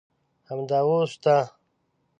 همدا اوس شته.